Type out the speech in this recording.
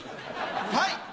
はい！